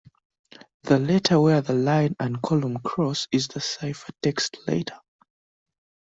The letter where the line and column cross is the ciphertext letter.